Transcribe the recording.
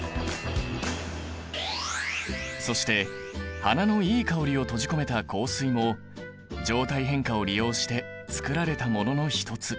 そして花のいい香りを閉じ込めた香水も状態変化を利用して作られたものの一つ。